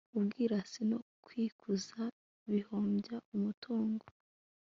ubwirasi no kwikuza bihombya umutungo